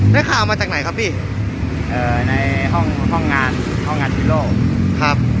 ได้ข่าวมาจากไหนครับพี่เอ่อในห้องห้องงานห้องงานฮีโร่ครับ